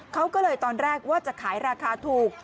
เขาก็เลยตอนแรกว่าจะขายราคาถูก